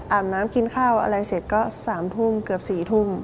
น้ำกินข้าวอะไรเสร็จก็๓ทุ่มเกือบ๔ทุ่ม